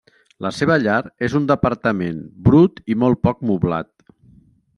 La seva llar és un departament brut i molt poc moblat.